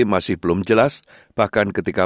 masih belum jelas bahkan ketika